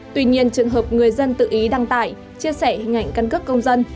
tuy nhiên trường hợp người dân tự ý đăng tải chia sẻ hình ảnh căn cước công dân